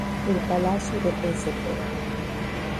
El Palacio de St.